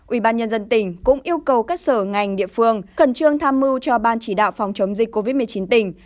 ủy ban nhân dân tỉnh cũng yêu cầu các sở ngành địa phương khẩn trương tham mưu cho ban chỉ đạo phòng chống dịch covid một mươi chín tỉnh